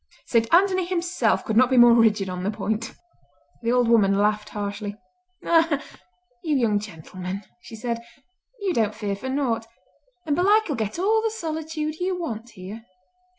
Saint Anthony himself could not be more rigid on the point!" The old woman laughed harshly. "Ah, you young gentlemen," she said, "you don't fear for naught; and belike you'll get all the solitude you want here."